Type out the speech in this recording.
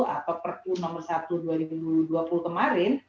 atau perpu nomor satu dua ribu dua puluh kemarin